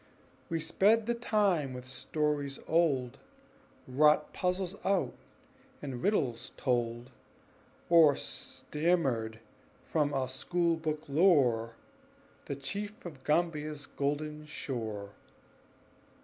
We sped the time with stories old, Wrought puzzles out, and riddles told, Or stammered from our school book lore The Chief of Gambia's "golden shore."